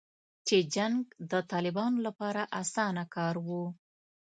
چې جنګ د طالبانو لپاره اسانه کار و